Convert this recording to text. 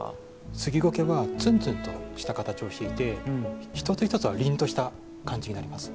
スギゴケはつんつんとした形をしていて一つ一つはりんとした感じになります。